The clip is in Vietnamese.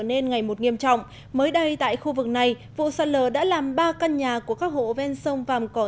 nên ngày một nghiêm trọng mới đây tại khu vực này vụ sạt lở đã làm ba căn nhà của các hộ ven sông vàm cỏ